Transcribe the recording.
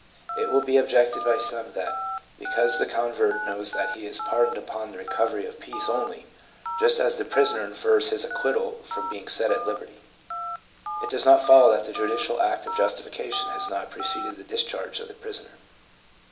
It will be objected by some that because the convert knows that he is pardoned upon the recovery of peace only, just as the prisoner infers his acquittal from being set at liberty, it does not follow that the judicial act of justification has not pre ceded the discharge of the prisoner.